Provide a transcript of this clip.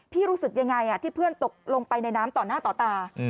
รู้สึกยังไงที่เพื่อนตกลงไปในน้ำต่อหน้าต่อตา